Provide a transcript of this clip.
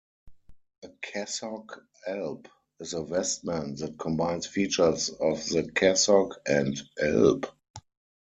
A cassock-alb is a vestment that combines features of the cassock and alb.